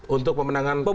untuk pemenangan prabowo